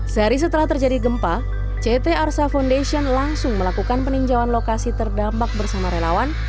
sehari setelah terjadi gempa ct arsa foundation langsung melakukan peninjauan lokasi terdampak bersama relawan